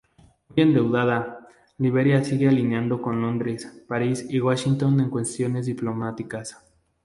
Muy endeudada, Liberia sigue alineada con Londres, París y Washington en cuestiones diplomáticas.